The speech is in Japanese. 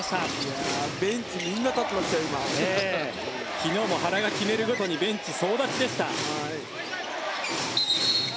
昨日も原が決めるごとにベンチ総立ちでした。